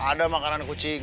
ada makanan kucing